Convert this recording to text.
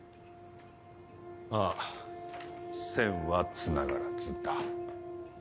ああ線はつながらずだ。